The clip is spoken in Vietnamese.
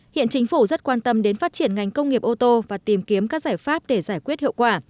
hiện chính phủ rất quan tâm đến phát triển ngành công nghiệp ô tô và tìm kiếm các giải pháp để giải quyết hiệu quả